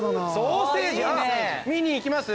見に行きます？